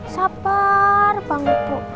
sabar banget bu